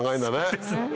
そうですね。